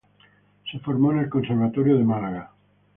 Se formó en el Conservatorio de Málaga.